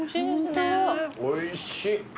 おいしい。